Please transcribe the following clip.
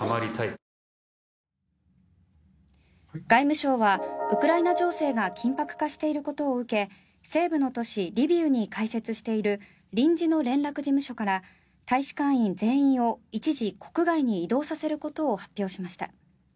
外務省はウクライナ情勢が緊迫化していることを受け西部の都市リビウに開設している臨時の連絡事務所から大使館員全員を一時、国外に移動させることを発表しました。